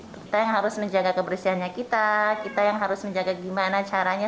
kita yang harus menjaga kebersihannya kita kita yang harus menjaga gimana caranya